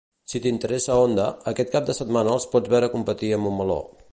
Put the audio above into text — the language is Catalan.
Si t'interessa Honda, aquesta cap de setmana els pots veure competir a Montmeló.